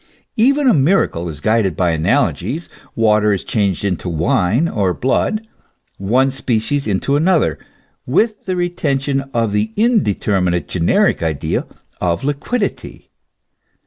* Even miracle is guided by analogies; water is changed into wine or blood, one species into another, with the retention of the indeterminate generic idea of liquidity.